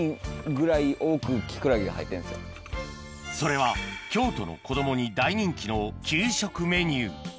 それは京都の子供に大人気の給食メニュー